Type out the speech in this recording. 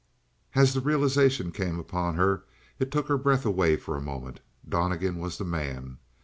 As the realization came upon her it took her breath away for a moment. Donnegan was the man.